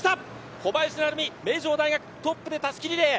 小林に名城大学トップでたすきリレー。